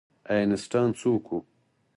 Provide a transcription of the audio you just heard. آینسټاین څوک و؟